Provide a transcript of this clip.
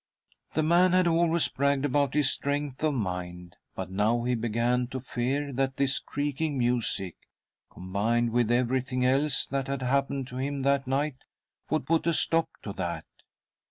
The man had always bragged about his strength of mind, but now he began to fear that this creaking '• THE DEATH CART 43 music, combined with everything else that had happened to him that night, would put a stop to that.